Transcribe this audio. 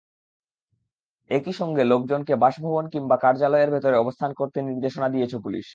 একই সঙ্গে লোকজনকে বাসভবন কিংবা কার্যালয়ের ভেতর অবস্থান করতে নির্দেশনা দিয়েছে পুলিশ।